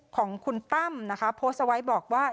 ของคุณตั้มนะคะโพสต์เอาไว้บอกว่า